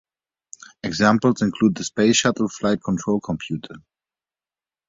Examples include the Space Shuttle flight control computer.